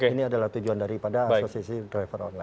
ini adalah tujuan daripada asosiasi driver online